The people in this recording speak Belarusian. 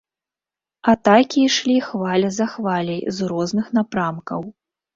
Атакі ішлі хваля за хваляй з розных напрамкаў.